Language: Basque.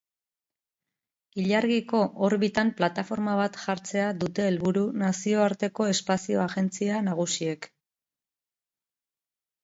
Ilargiko orbitan plataforma bat jartzea dute helburu nazioarteko espazio agentzia nagusiek.